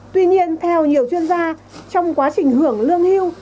tuy nhiên theo nhiều chuyên gia trong quá trình hưởng lương hưu